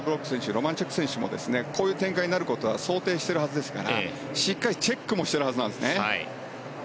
ロマンチュク選手もこういう展開になることは想定しているはずですからしっかりチェックもしてるはずなんですね。